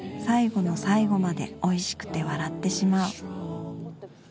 最後の最後までおいしくて笑ってしまう。